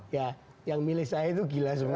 ya yang milik saya itu gila semua